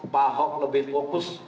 pahok lebih fokus